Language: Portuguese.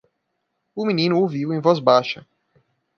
O menino ouviu em voz baixa.